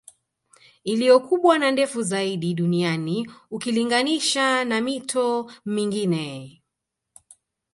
Iliyo kubwa na ndefu zaidi duniani ukilinganisha na mito mingine